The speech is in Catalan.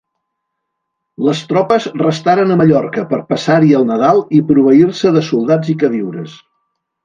Les tropes restaren a Mallorca per passar-hi el Nadal i proveir-se de soldats i queviures.